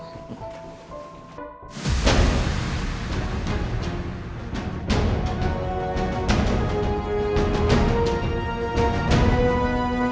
masuk tunggu ngy creatures